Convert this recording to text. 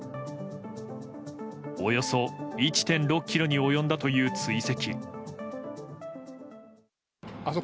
およそ１．６ｋｍに及んだという追跡。